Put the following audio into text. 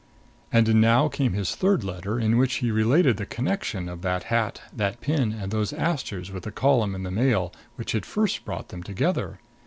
And now came his third letter, in which he related the connection of that hat, that pin and those asters with the column in the Mail which had first brought them together.